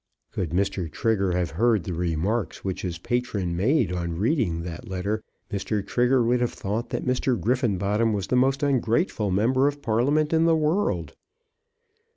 Could Mr. Trigger have heard the remarks which his patron made on reading that letter, Mr. Trigger would have thought that Mr. Griffenbottom was the most ungrateful member of Parliament in the world.